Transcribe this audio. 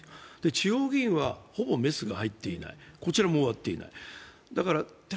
地方議員はほぼメスが入っていない、終わっていない。